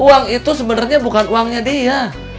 uang itu sebenarnya bukan uangnya dia